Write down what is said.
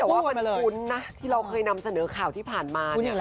แต่ว่ามันคุ้นนะที่เราเคยนำเสนอข่าวที่ผ่านมา